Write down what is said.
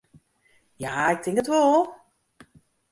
Ja, ik tink it wol.